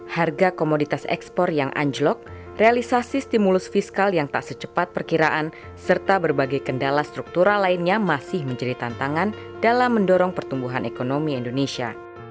harga komoditas ekspor yang anjlok realisasi stimulus fiskal yang tak secepat perkiraan serta berbagai kendala struktural lainnya masih menjadi tantangan dalam mendorong pertumbuhan ekonomi indonesia